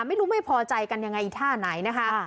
ไม่รู้ไม่พอใจกันยังไงอีท่าไหนนะคะ